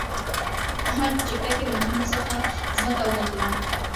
احمد په جرگه کې له محمود څخه ځمکه وگټله